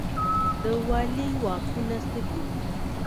د والي واکونه څه دي؟